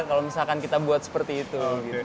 kalau misalkan kita buat seperti itu